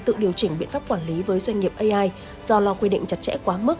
tự điều chỉnh biện pháp quản lý với doanh nghiệp ai do lo quy định chặt chẽ quá mức